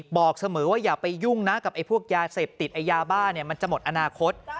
บอกเสมอว่าอย่าไปยุ่งนะกับไอ้พวกยาเสพติดไอ้ยาบ้าเนี่ยมันจะหมดอนาคต